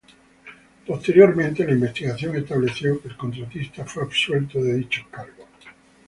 Posteriormente la investigación estableció que el contratista fue absuelto de dichos cargos.